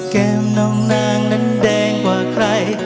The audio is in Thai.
แก้มน้องนางนั้นแดงกว่าใคร